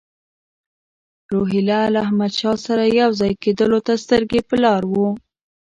روهیله له احمدشاه سره یو ځای کېدلو ته سترګې په لار وو.